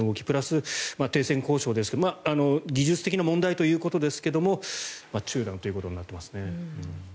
プラス停戦交渉ですが技術的な問題ということですが中断ということになっていますね。